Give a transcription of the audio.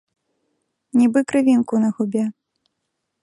Нібы крывінку на губе.